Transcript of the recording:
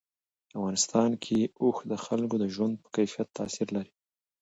په افغانستان کې اوښ د خلکو د ژوند په کیفیت تاثیر کوي.